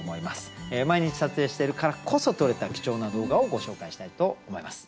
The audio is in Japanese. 毎日撮影しているからこそ撮れた貴重な動画をご紹介したいと思います。